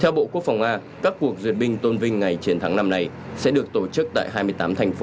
theo bộ quốc phòng nga các cuộc duyệt binh tôn vinh ngày chín tháng năm này sẽ được tổ chức tại hai mươi tám thành phố